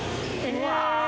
うわ。